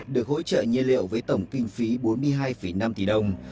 được hỗ trợ nhiên liệu với tổng kinh phí bốn mươi hai năm tỷ đồng